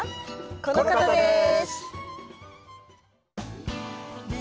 この方です。